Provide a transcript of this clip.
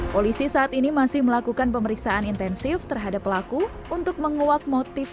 polisi saat ini masih melakukan pemeriksaan intensif terhadap pelaku untuk menguak motif